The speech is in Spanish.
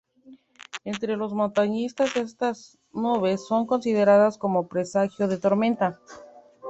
Entre los montañistas estas nubes son consideradas como presagio de tormenta.